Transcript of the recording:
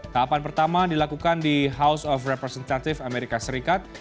tahapan pertama dilakukan di house of representative amerika serikat